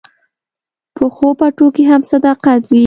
پخو پټو کې هم صداقت وي